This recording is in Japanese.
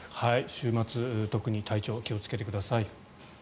週末、特に体調気をつけてください。